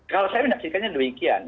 kalau saya menaksikan demikian